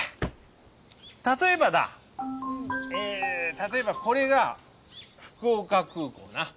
例えばだ例えばこれが福岡空港な。